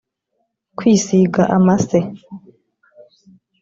kwisiga amase